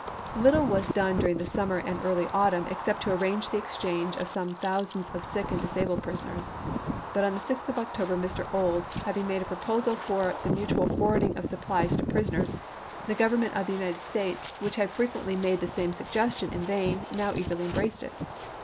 Little was done during the summer and early autumn except to arrange the exchange of some thousands of sick and disabled prisoners; but on the 6th of October, Mr. Ould having made a pro Sept. 9, 1864. Treatment of Prisoners, p. 558. PRISONERS OF WAR 463 posal for the mutual forwarding of supplies to chap.xvl prisoners, the Government of the United States, which had frequently made the same suggestion in vain, now eagerly embraced it.